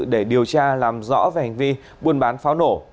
để điều tra làm rõ về hành vi buôn bán pháo nổ